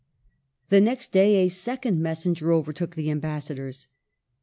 The next day a second messenger overtook the ambassadors.